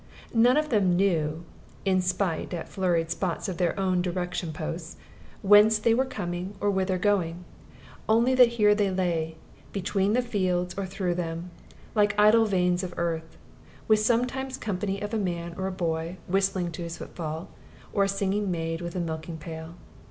None of them knew (in spite, at flurried spots, of their own direction posts) whence they were coming or whither going only that here they lay, between the fields or through them, like idle veins of earth, with sometimes company of a man or boy, whistling to his footfall, or a singing maid with a milking pail.